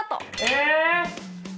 え！